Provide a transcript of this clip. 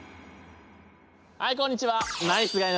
はいこんにちは。